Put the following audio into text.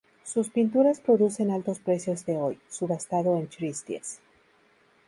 Sus pinturas producen altos precios de hoy, subastado en Christie's.